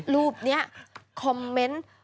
รูปนี้คอมเมนต์